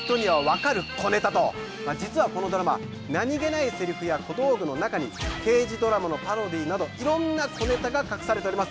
実はこのドラマ何げないセリフや小道具の中に刑事ドラマのパロディなど色んな小ネタが隠されております。